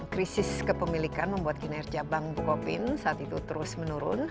krisis kepemilikan membuat kinerja bank bukopin saat itu terus menurun